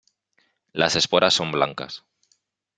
Las esporas son blancas.